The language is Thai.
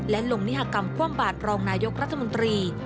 และลงนิหากรรมคว่ำบาดรองนายกรัฐมนตรี